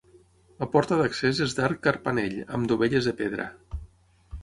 La porta d'accés és d'arc carpanell, amb dovelles de pedra.